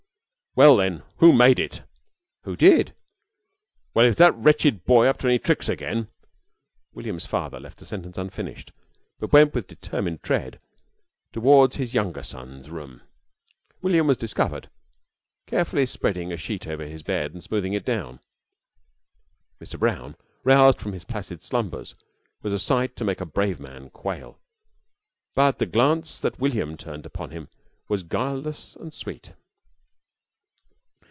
"Well, then, who made it?" "Who did?" "If it's that wretched boy up to any tricks again " William's father left the sentence unfinished, but went with determined tread towards his younger son's room. William was discovered, carefully spreading a sheet over his bed and smoothing it down. Mr. Brown, roused from his placid slumbers, was a sight to make a brave man quail, but the glance that William turned upon him was guileless and sweet.